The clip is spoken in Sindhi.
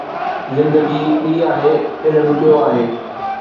زندگي ٻي آهي، علم ٻيو آهي